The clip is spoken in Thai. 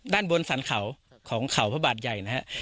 ด้านบนสรรเขาของเขาพระบาทใหญ่นะฮะ